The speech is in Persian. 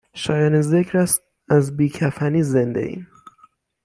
شایان ذکر است از بی کفنی زنده ایم